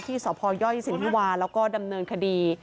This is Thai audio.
ที่สยศิลปิวาแล้วก็ดำเนินคดี